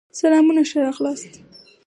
سلامونه ښه راغلاست